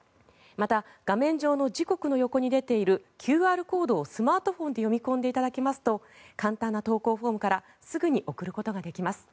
また、画面上の時刻の横に出ているＱＲコードをスマートフォンで読み込んでいただきますと簡単な投稿フォームからすぐに送ることができます。